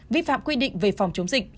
vi phạm quy định về phòng chống dịch